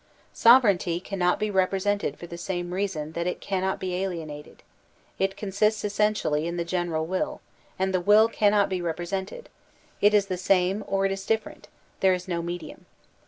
Sovereignty cannot be represented for the same reason that it cannot be alienated; it consists essentially in the general will, and the will cannot be represented; it is the same or it is different; there is no medium.